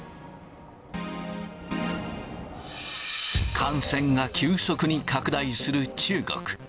感染が急速に拡大する中国。